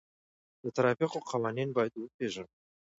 د ترافیکو قوانین باید وپیژنو.